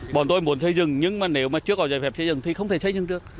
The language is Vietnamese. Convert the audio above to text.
bọn tôi muốn xây dựng nhưng mà nếu mà chưa có giấy phép xây dựng thì không thể xây dựng được